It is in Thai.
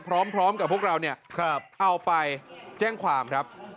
พร้อมกับพวกเราเนี่ยเอาไปแจ้งความครับ